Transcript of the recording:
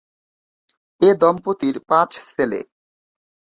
এ দম্পতির পাঁচ ছেলে।